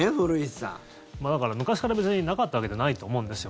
だから昔から別になかったわけじゃないと思うんですよ。